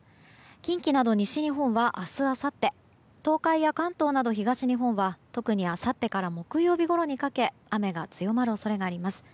近畿など西日本は明日、あさって東海や関東など東日本は特にあさってから木曜日ごろにかけ雨が強まる恐れがあります。